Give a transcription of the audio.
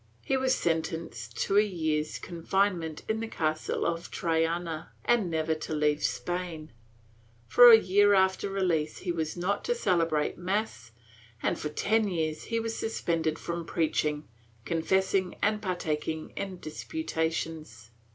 He was sentenced to a year's con finement in the castle of Triana and never to leave Spain ; for a year after release he was not to celebrate mass and for ten years he was suspended from preaching, confessing and partaking in dispu tations.